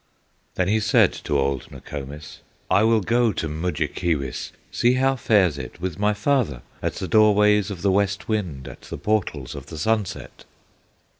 Then he said to old Nokomis, "I will go to Mudjekeewis, See how fares it with my father, At the doorways of the West Wind, At the portals of the Sunset!"